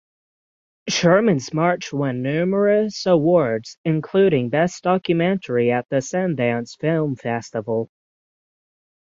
"Sherman's March" won numerous awards, including Best Documentary at the Sundance Film Festival.